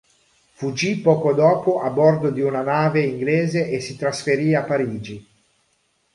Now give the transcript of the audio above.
Fuggì poco dopo a bordo di una nave inglese e si trasferì a Parigi.